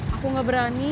aku gak berani